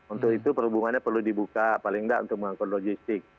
untuk itu perhubungannya perlu dibuka paling tidak untuk mengangkut logistik